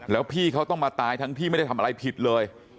แล้วพี่เขาต้องมาตายทั้งที่ไม่ได้ทำอะไรผิดเลย